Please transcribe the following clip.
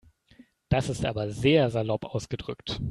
Das ist aber sehr salopp ausgedrückt.